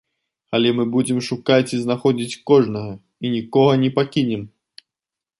Але мы будзем шукаць, і знаходзіць кожнага, і нікога не пакінем.